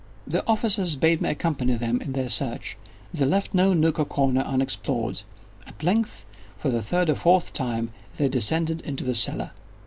The officers bade me accompany them in their search. They left no nook or corner unexplored. At length, for the third or fourth time, they descended into the cellar.